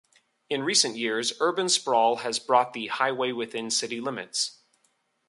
In recent years, urban sprawl has brought the highway within city limits.